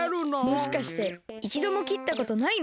もしかしていちどもきったことないの？